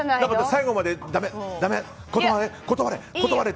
最後まで、だめ、だめ断れ！